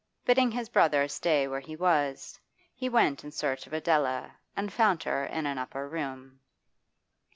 Bidding his brother stay where he was, he went in search of Adela and found her in an upper room.